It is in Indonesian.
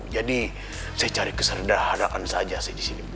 jadi saya cari keserdaraan saja di sini bu